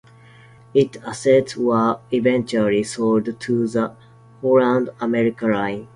Its assets were eventually sold to the Holland-America Line.